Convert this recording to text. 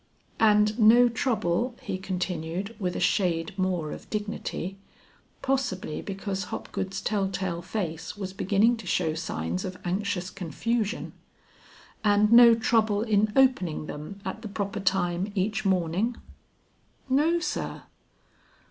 "And no trouble," he continued, with a shade more of dignity, possibly because Hopgood's tell tale face was beginning to show signs of anxious confusion, "and no trouble in opening them at the proper time each morning?" "No sir."